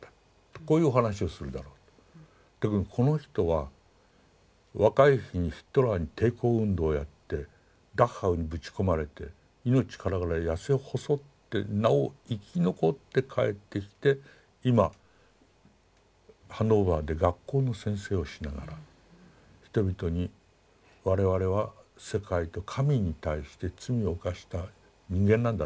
こういうお話をするだろうと。だけどこの人は若い日にヒトラーに抵抗運動をやってダッハウにぶち込まれて命からがら痩せ細ってなお生き残って帰ってきて今ハノーバーで学校の先生をしながら人々に我々は世界と神に対して罪を犯した人間なんだと。